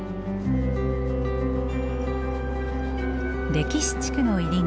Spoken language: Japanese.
歴史地区の入り口